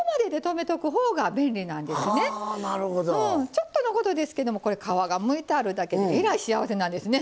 ちょっとのことですけどもこれ皮がむいてあるだけでえらい幸せなんですね。